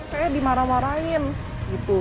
saya dimarah marahin gitu